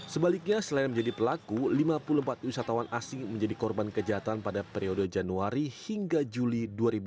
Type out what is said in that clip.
sebaliknya selain menjadi pelaku lima puluh empat wisatawan asing menjadi korban kejahatan pada periode januari hingga juli dua ribu dua puluh